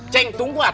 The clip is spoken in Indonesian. ceng tunggu lah